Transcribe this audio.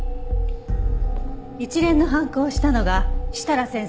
一連の犯行をしたのが設楽先生である事も。